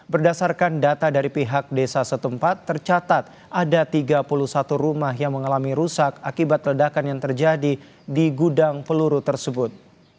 berdasarkan data dari pihak desa setempat tercatat ada tiga puluh satu rumah yang mengalami rusak akibat ledakan yang terjadi di gudang peluru tersebut